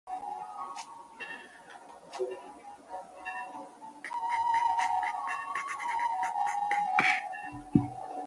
夜深了，这位老师还在批改作业